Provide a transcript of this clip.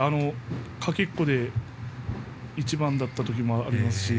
かけっこで１番だった時もあります。